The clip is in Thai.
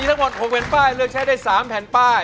ทั้งหมด๖แผ่นป้ายเลือกใช้ได้๓แผ่นป้าย